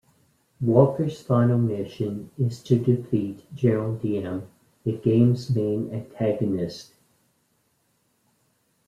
Walkers's final mission is to defeat General Diem, the game's main antagonist.